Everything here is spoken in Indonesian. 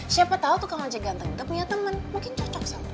siapa tahu tukang ojek ganteng gak punya temen mungkin cocok sama